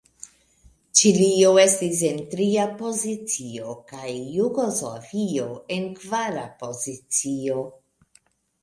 Ĉilio estis en tria pozicio, kaj Jugoslavio en kvara pozicio.